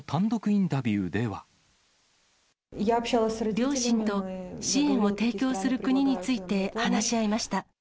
両親と支援を提供する国について話し合いました。